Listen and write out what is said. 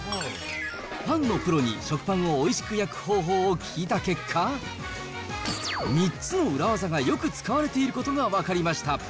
パンのプロに食パンをおいしく焼く方法を聞いた結果、３つの裏ワザがよく使われていることが分かりました。